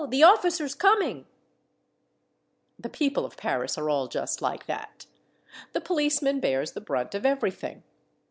The officer 's coming," The people of Paris are all just like that. The policeman bears the brunt of everything.